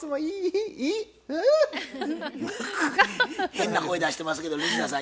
変な声出してますけども西田さん